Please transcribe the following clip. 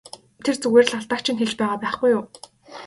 Тэр зүгээр л алдааг чинь хэлж байгаа байхгүй юу!